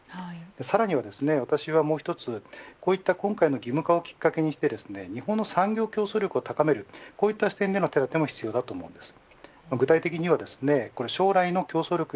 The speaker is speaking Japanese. さらには私はもう一つこういった今回の義務化をきっかけに日本の産業競争力を高めるこういった視点での手立ても必要です。